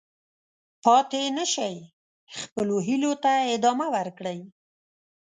پاتې نه شئ، خپلو هیلو ته ادامه ورکړئ.